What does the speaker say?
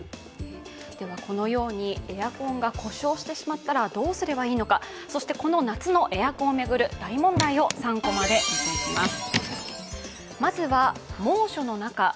このようにエアコンが故障してしまったらどうすればいいのか、そしてこの夏のエアコンを巡る大問題を「３コマ」で見ていきます。